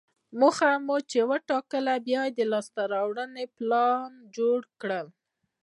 موخه مو چې وټاکله، بیا یې د لاسته راوړلو لپاره پلان جوړ کړئ.